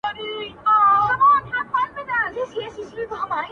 نه لوګی نه مي لمبه سته جهاني رنګه ویلېږم!